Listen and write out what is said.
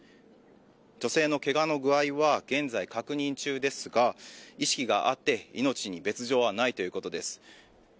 女性のけがの具合は現在確認中ですが意識があって、命に別状はないということです。